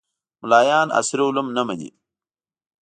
ملایان عصري علوم نه مني